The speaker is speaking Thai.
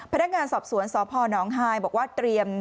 พนักงานสอบสวนสพนฮายบอกว่าเตรียม